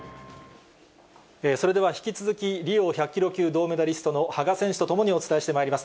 それでは引き続きリオ１００キロ級、銅メダリストの羽賀選手と共にお伝えしてまいります。